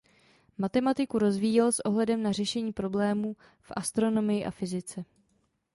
Matematiku rozvíjel s ohledem na řešení problémů v astronomii a fyzice.